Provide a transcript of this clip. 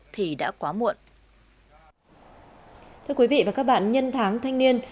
thưa quý vị và các bạn nhân tháng thanh niên